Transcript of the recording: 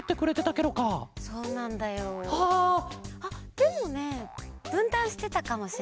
でもねぶんたんしてたかもしれない。